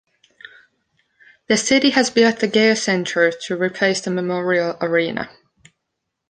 The city has built the Gale Centre to replace the Memorial Arena.